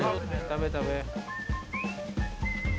食べ食べ。